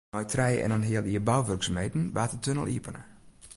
Nei trije en in heal jier bouwurksumheden waard de tunnel iepene.